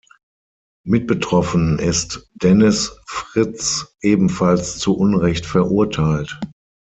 Mit betroffen ist Dennis Fritz, ebenfalls zu Unrecht verurteilt.